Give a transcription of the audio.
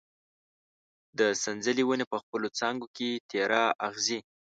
د سنځلې ونه په خپلو څانګو کې تېره اغزي